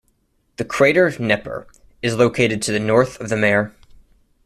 The crater Neper is located to the north of the mare.